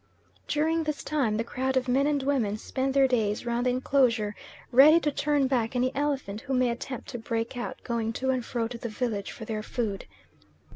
During this time the crowd of men and women spend their days round the enclosure, ready to turn back any elephant who may attempt to break out, going to and fro to the village for their food.